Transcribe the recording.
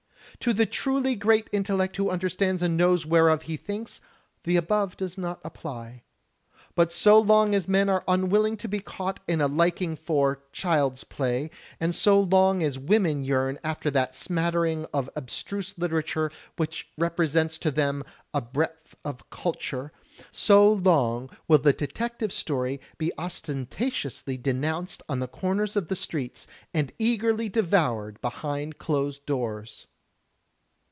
To the truly great intellect who imderstands and knows whereof he thinks, the above does not apply. But so long as men are imwilling to be caught in a liking for "child's play," and so long as women yearn after that smattering of abstruse literature which represents to them "a breadth of culture," so long will the detective story be ostentatiously denoimced on the comers of the streets, and eagerly devoured behind closed doors.